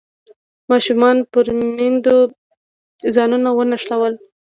ماشومانو پر میندو ځانونه ونښلول.